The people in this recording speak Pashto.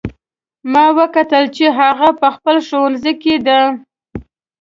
ما وکتل چې هغه په خپل ښوونځي کې ده